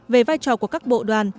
về vai trò của các bộ đoàn